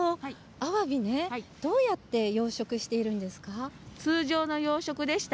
あわびどうやって養殖しているんですか。